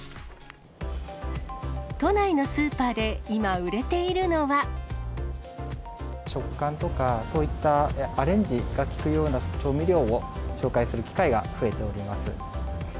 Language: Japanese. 都内のスーパーで今、食感とか、そういったアレンジが利くような調味料を紹介する機会が増えております。